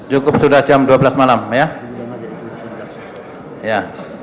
cukup sudah jam dua belas malam ya